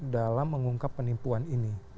dalam mengungkap penipuan ini